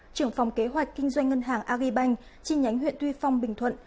trưởng phòng kế hoạch kinh doanh ngân hàng agribank chi nhánh huyện tuy phong bình thuận